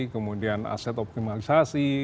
kemudian aset optimalisasi